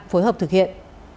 phối hợp thực hiện